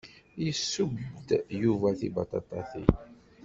Yesseww-d Yuba tibaṭaṭatin.